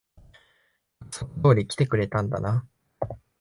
約束通り来てくれたんだな。